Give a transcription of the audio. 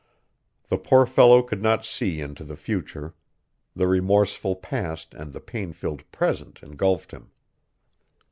The poor fellow could not see into the future. The remorseful past and the pain filled present engulfed him.